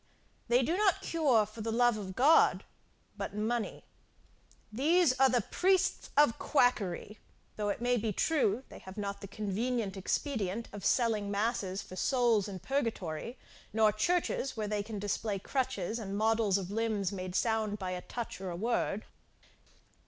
They do not cure for the love of God, but money. These are the priests of quackery, though it be true they have not the convenient expedient of selling masses for souls in purgatory, nor churches, where they can display crutches, and models of limbs made sound by a touch or a word.